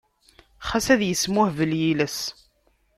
Xas ad yesmuhbel yiles.